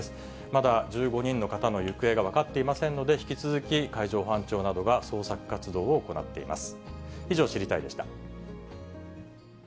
まだ１５人の方の行方が分かっていませんので、引き続き海上保安庁などが捜索活動を行っています。